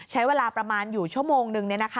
ใช้เวลาประมาณอยู่ชั่วโมงนึง